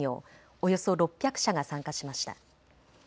およそ６００社が参加しました。